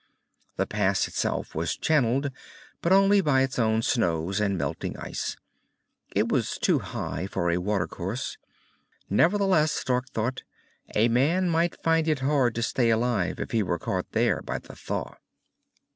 The pass itself was channeled, but only by its own snows and melting ice. It was too high for a watercourse. Nevertheless, Stark thought, a man might find it hard to stay alive if he were caught there by the thaw.